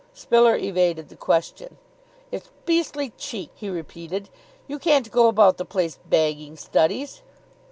Spiller evaded the question. "It's beastly cheek," he repeated. "You can't go about the place bagging studies."